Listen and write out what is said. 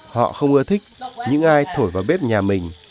họ không ưa thích những ai thổi vào bếp nhà mình